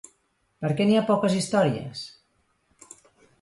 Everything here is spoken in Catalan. Per què n'hi ha poques històries?